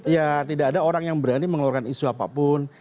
ya tidak ada orang yang berani mengeluarkan isu apapun